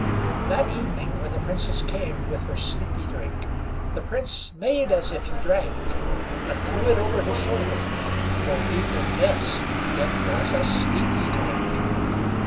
That evening, when the Princess came with her sleepy drink, the Prince made as if he drank, but threw it over his shoulder, for he could guess it was a sleepy drink.